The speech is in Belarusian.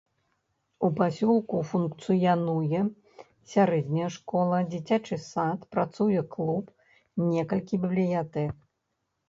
У пасёлку функцыянуе сярэдняя школа, дзіцячы сад, працуе клуб, некалькі бібліятэк.